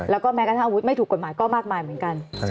แล้วก็แม้กระทั่งอาวุธไม่ถูกกฎหมายก็มากมายเหมือนกัน